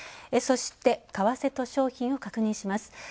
そして、為替と商品を確認します。